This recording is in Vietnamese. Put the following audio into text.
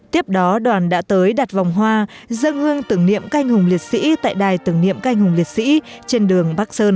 tiếp đó đoàn đã tới đặt vòng hoa dân hương tưởng niệm canh hùng liệt sĩ tại đài tưởng niệm canh hùng liệt sĩ trên đường bắc sơn